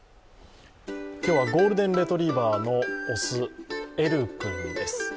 今日はゴールデンレトリバーの雄、える君です。